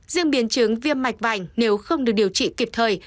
riêng biến chứng viêm mạch vành nếu không được điều trị kịp thời